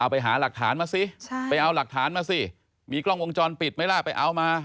ไปหาหลักฐานมาสิไปเอาหลักฐานมาสิมีกล้องวงจรปิดไหมล่ะไปเอามา